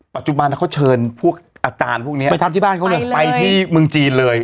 ปัจจุบันเขาเชิญพวกอาจารย์พวกนี้ไปทำที่บ้านเขาเลยไปที่เมืองจีนเลย